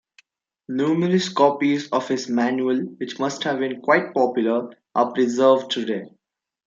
Numerous copies of his manual, which must have been quite popular, are preserved today.